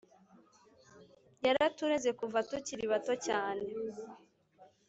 Yaratureze kuva tukiri bato cyane.